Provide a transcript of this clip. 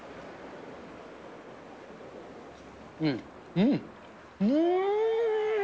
うん、うーん！